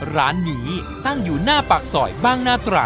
ร้านนี้ตั้งอยู่หน้าปากซอยบางนาตรา